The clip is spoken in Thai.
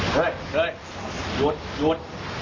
ตรงนี้หยุด